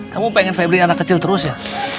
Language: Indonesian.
kamu pengen fablin anak kecil terus ya